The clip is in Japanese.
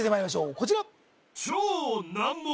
こちら